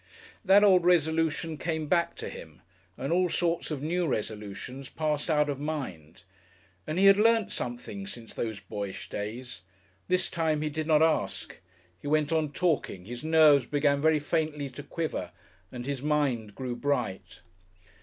That old resolution came back to him and all sorts of new resolutions passed out of mind. And he had learnt something since those boyish days. This time he did not ask. He went on talking, his nerves began very faintly to quiver and his mind grew bright.